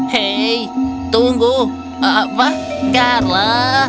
hei tunggu apa carla